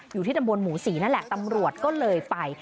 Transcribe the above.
อยู่ที่ตำบลหมูศรีนั่นแหละตำรวจก็เลยไป